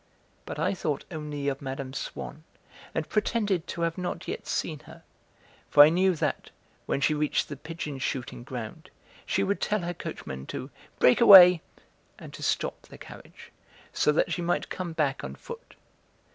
But I thought only of Mme. Swann, and pretended to have not yet seen her, for I knew that, when she reached the pigeon shooting ground, she would tell her coachman to 'break away' and to stop the carriage, so that she might come back on foot.